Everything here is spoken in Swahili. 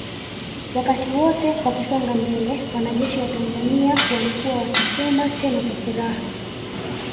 Wakati wote wakisonga mbele wanajeshi wa Tanzania walikuwa wakisema tena kwa furaha